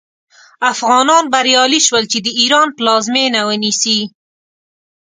افغانان بریالي شول چې د ایران پلازمینه ونیسي.